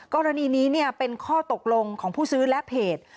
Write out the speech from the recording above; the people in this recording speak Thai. กรณีนี้เป็นข้อตกลงของผู้ซื้อและเพจ